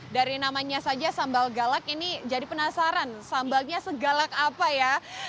dari namanya saja sambal galak ini jadi penasaran sambalnya segalak apa ya